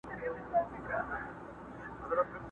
ګوندي خدای مو سي پر مېنه مهربانه،